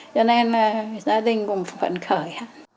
cho nên là gia đình cũng phận khởi